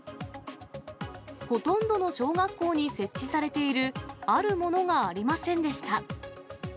ほとんどの小学校に設置されている、あるものがありませんでした。